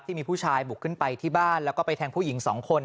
ที่มีผู้ชายบุกขึ้นไปที่บ้านแล้วก็ไปแทงผู้หญิงสองคน